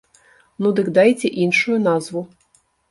Ну дык дайце іншую назву.